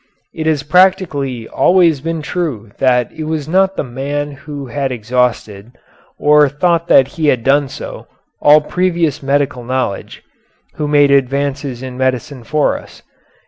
It has practically always been true that it was not the man who had exhausted, or thought that he had done so, all previous medical knowledge, who made advances in medicine for us.